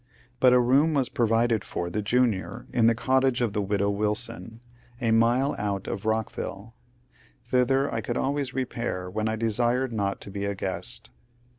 But a room was provided for the *^ junior *' in the cottage of the 96 MONCUKE DANIEL CONWAY widow Wilson, a mile out of Bockville. Thither I could always repair when I desired not to be a guest.